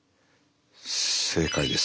正解です。